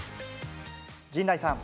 陣内さん。